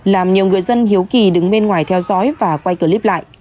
làm nhiều người dân hiếu kỳ đứng bên ngoài theo dõi và quay clip lại